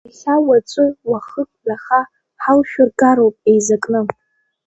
Иахьа, уаҵәы, уахык, ҩаха, ҳалшәыргароуп еизакны!